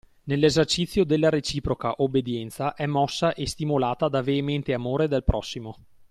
Nell'esercizio della reciproca obbedienza è mossa e stimolata da veemente amore del prossimo